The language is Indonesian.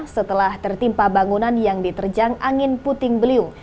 setelah tertimpa bangunan yang diterjang angin puting beliung